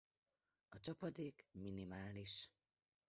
A csapadék minimális.